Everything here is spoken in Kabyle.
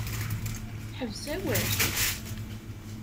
Ḥbes awal.